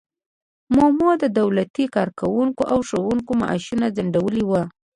مومو د دولتي کارکوونکو او ښوونکو معاشونه ځنډولي وو.